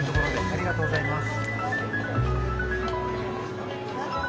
ありがとうございます。